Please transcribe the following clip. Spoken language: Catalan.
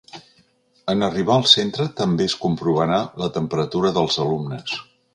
En arribar al centre també es comprovarà la temperatura dels alumnes.